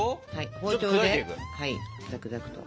包丁ではいザクザクと。